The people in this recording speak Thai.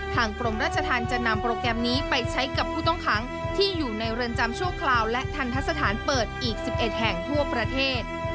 กรมราชธรรมจะนำโปรแกรมนี้ไปใช้กับผู้ต้องขังที่อยู่ในเรือนจำชั่วคราวและทันทะสถานเปิดอีก๑๑แห่งทั่วประเทศ